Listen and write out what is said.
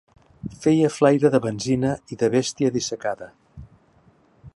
Feia flaire de benzina i de bestia dissecada